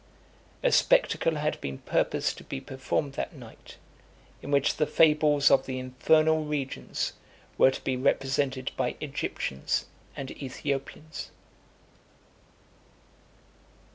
A spectacle had been purposed to be performed that night, in which the fables of the infernal regions were to be represented by Egyptians and Ethiopians.